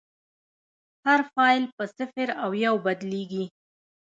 هر فایل په صفر او یو بدلېږي.